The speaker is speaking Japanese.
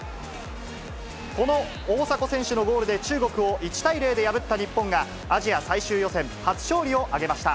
この大迫選手のゴールで中国を１対０で破った日本が、アジア最終予選初勝利を挙げました。